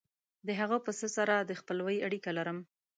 د هغه پسه سره د خپلوۍ اړیکه لرم.